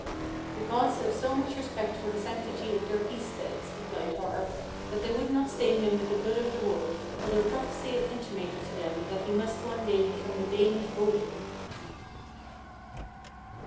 "The gods have so much respect for the sanctity of their peace steads," replied Har, "that they would not stain them with the blood of the wolf, although prophecy had intimated to them that he must one day become the bane of Odin."